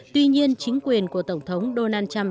tuy nhiên chính quyền của tổng thống donald trump